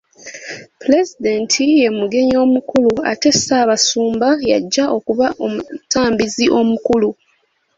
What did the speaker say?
Pulezidenti ye mugenyi omukulu ate Ssaabasumba y'ajja okuba omutambizi omukulu.